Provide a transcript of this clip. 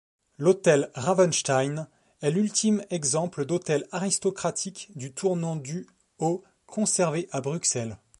L'Hôtel Ravenstein est l'ultime exemple d'hôtel aristocratique du tournant du au conservé à Bruxelles.